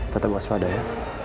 tetap waspada ya